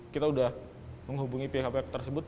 kita sudah menghubungi pihak pihak tersebut